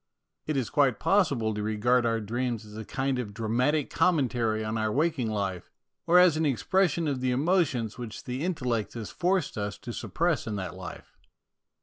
It is quite possible to regard our dreams as a kind of dramatic commentary on our waking life, or as an expression of the emotions which the intel lect has forced us to suppress in that life.